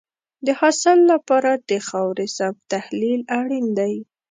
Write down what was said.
د حاصل لپاره د خاورې سم تحلیل اړین دی.